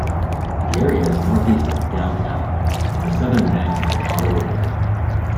The area is northeast of downtown, on the southern banks of the Ottawa River.